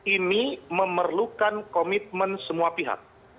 ini memerlukan komitmen semua pihak